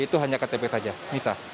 nah itu hanya ktp saja nisa